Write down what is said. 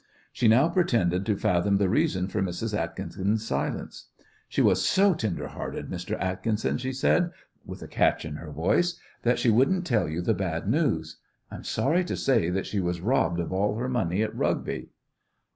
She now pretended to fathom the reason for Mrs. Atkinson's silence. "She was so tender hearted, Mr. Atkinson," she said, with a catch in her voice, "that she wouldn't tell you the bad news. I'm sorry to say that she was robbed of all her money at Rugby."